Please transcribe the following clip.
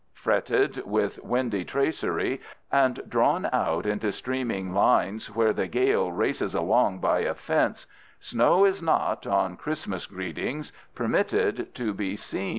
Fretted with windy tracery and drawn out into streaming lines where the gale races along by a fence, snow is not, on Christmas greetings, permitted to be seen.